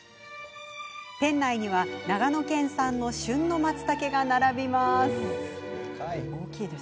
店内には長野県産の旬のまつたけが並びます。